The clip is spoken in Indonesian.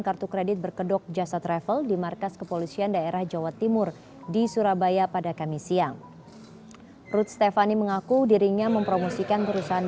kartu kredit berkedok jasa travel di markas kepolisian daerah jawa timur di surabaya pada kami siang rod stefani that will come ramon